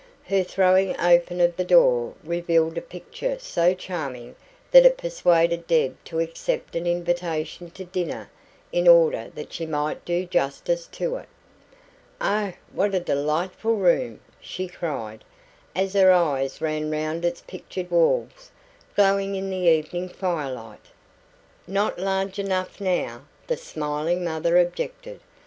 Her throwing open of the door revealed a picture so charming that it persuaded Deb to accept an invitation to dinner in order that she might do justice to it. "Oh, what a delightful room!" she cried, as her eyes ran round its pictured walls, glowing in the evening firelight. "Not large enough now," the smiling mother objected.